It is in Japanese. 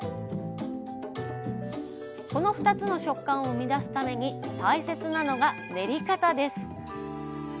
この２つの食感を生み出すために大切なのが練り方です。